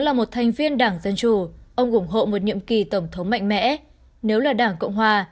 là một thành viên đảng dân chủ ông ủng hộ một nhiệm kỳ tổng thống mạnh mẽ nếu là đảng cộng hòa